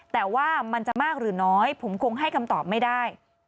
แต่ว่ามันจะมากหรือน้อยผมคงให้คำตอบไม่ได้